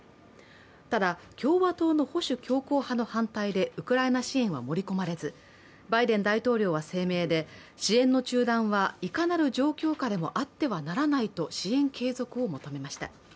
ただ、共和党の保守強硬派の反対でウクライナ支援は盛り込まれずバイデン大統領は声明で支援の中断はいかなる状況下でもあってはならないと支援継続を求めました。